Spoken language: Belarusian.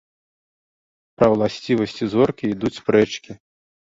Пра ўласцівасці зоркі ідуць спрэчкі.